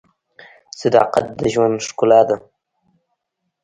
• صداقت د ژوند ښکلا ده.